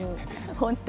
本当。